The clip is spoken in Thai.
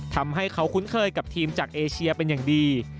ทำให้เขาคุ้นเคยกับทีมจากเอเชียเป็นอย่างดี